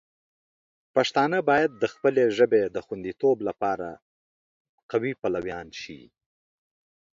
پښتانه باید د خپلې ژبې د خوندیتوب لپاره د قوی پلویان شي.